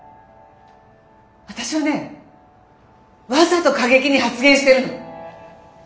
私はねわざと過激に発言してるの！